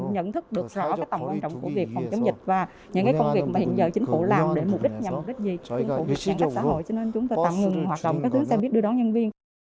nhận thức được rõ tổng quan trọng của việc phòng chống dịch và những công việc mà hiện giờ chính phủ làm để mục đích nhằm mục đích gì